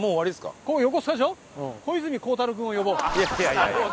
いやいやいやいや。